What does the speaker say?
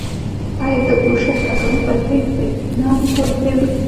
آیا د بوشهر اټومي بټۍ بریښنا نه تولیدوي؟